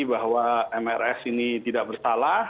bahwa mrs ini tidak bersalah